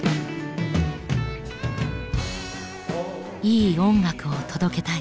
いい音楽を届けたい。